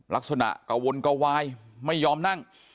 ลักษณะกระวนกระวายไม่ยอมนั่ง